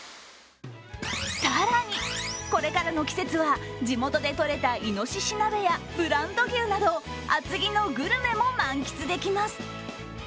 更に、これからの季節は、地元でとれたいのしし鍋やブランド牛など、厚木のグルメも満喫できます。